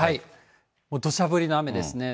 どしゃ降りの雨ですね。